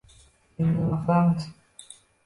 endi nima qilamiz